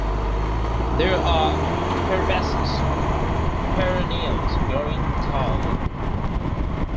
They are herbaceous perennials growing to tall.